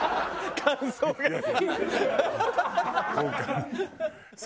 感想がさ。